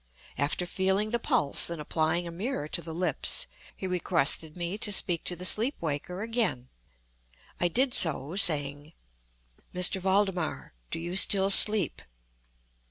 After feeling the pulse and applying a mirror to the lips, he requested me to speak to the sleep waker again. I did so, saying: "M. Valdemar, do you still sleep?"